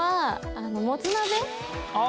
あ。